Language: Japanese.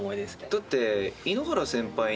だって。